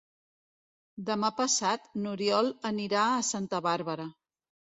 Demà passat n'Oriol anirà a Santa Bàrbara.